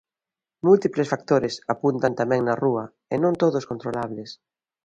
Múltiples factores, apuntan tamén na rúa, e non todos controlables.